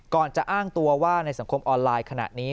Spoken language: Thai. จะอ้างตัวว่าในสังคมออนไลน์ขณะนี้